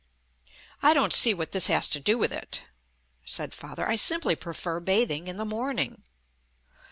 "I don't see what this has to do with it," said Father. "I simply prefer bathing in the morning."